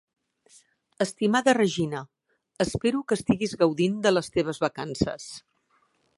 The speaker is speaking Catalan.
Estimada Regina, espero que estiguis gaudint de les teves vacances.